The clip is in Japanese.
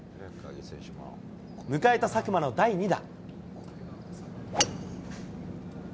迎えた佐久間の第２打。